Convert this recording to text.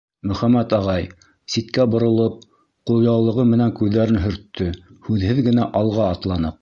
Мөхәммәт ағай, ситкә боролоп, ҡулъяулығы менән күҙҙәрен һөрттө, һүҙһеҙ генә алға атланыҡ.